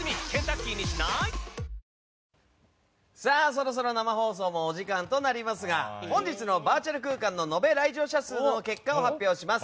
そろそろ生放送もお時間となりますが本日のバーチャル空間の延べ来場者数の結果を発表します。